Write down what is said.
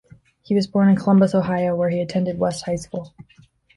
He was born in Columbus, Ohio, where he attended West High School.